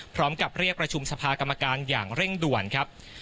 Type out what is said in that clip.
พร้อมกับเรียกประชุมสภากรรมการอย่างเร่งด่วนครับ